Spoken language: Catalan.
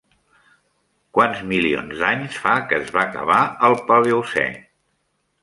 Quants milions d'anys fa que es va acabar el Paleocè?